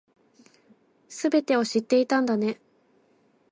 全てを知っていたんだね